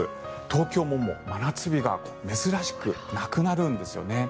東京ももう、真夏日が珍しくなくなるんですよね。